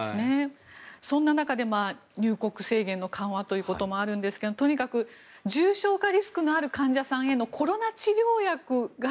そんな中で入国制限の緩和ということなんですがとにかく重症化リスクのある患者さんへのコロナ治療薬が